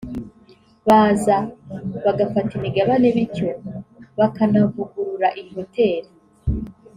baza bagafata imigabane bityo bakanavugurura iyi hotel